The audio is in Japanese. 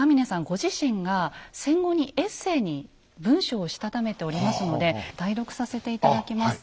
ご自身が戦後にエッセーに文章をしたためておりますので代読させて頂きます。